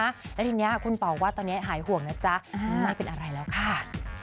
แล้วทีนี้คุณป๋อว่าตอนนี้หายห่วงนะจ๊ะไม่เป็นอะไรแล้วค่ะ